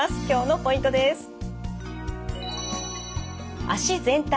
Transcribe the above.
今日のポイントです。